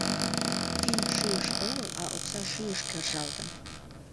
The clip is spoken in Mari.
Финн шӱйыш огыл, а окса шӱйыш кержалтын.